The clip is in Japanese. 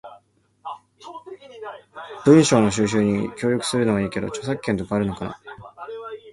文章の収集に協力するのはいいけど、著作権とかあるのかな？